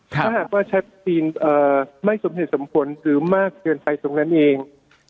ถ้าหากว่าชัดเจนไม่สมเหตุสมผลหรือมากเกินไปตรงนั้นเอง